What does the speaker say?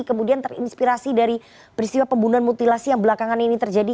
kemudian terinspirasi dari peristiwa pembunuhan mutilasi yang belakangan ini terjadi